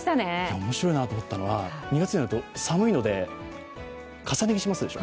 面白いなと思ったのは２月になると寒いので重ね着しますでしょ？